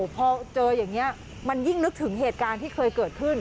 พอเจออย่างนี้มันยิ่งนึกถึงเหตุการณ์ที่เคยเกิดขึ้น